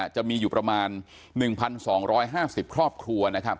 จะมีอยู่ประมาณ๑๒๕๐ครอบครัว